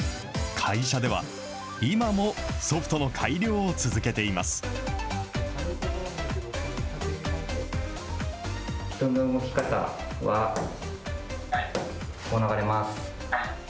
会社では、今もソフトの改良を続けています。